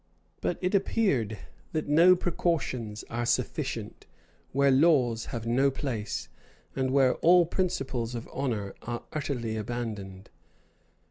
But it appeared that no precautions are sufficient where laws have no place, and where all principles of honor are utterly abandoned.